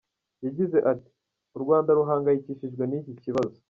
Yagize ati “U Rwanda ruhangayikishijwe n’iki kibazo.